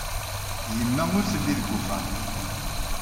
Yemma ur telli deg wexxam.